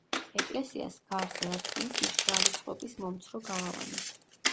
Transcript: ეკლესიას გარს ერტყმის მშრალი წყობის მომცრო გალავანი.